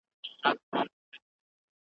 زه خواړه سم مزه داره ته مي خوند نه سې څکلای .